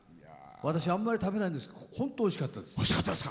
私、あんまり食べないんですけど本当、おいしかったです。